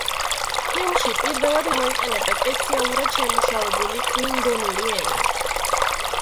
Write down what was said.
ფილმში პირველად გამოიყენება სპეციალურად შემუშავებული კლინგონური ენა.